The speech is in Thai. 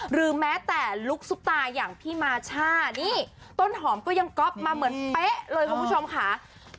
หรือแม้แต่ลุคซุปตาอย่างพี่มาช่านี่ต้นหอมก็ยังก๊อปมาเหมือนเป๊ะเลยคุณผู้ชมค่ะ